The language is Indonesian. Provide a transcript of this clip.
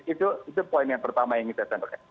itu poin yang pertama yang ingin saya sampaikan